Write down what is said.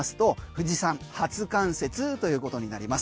富士山初冠雪ということになります。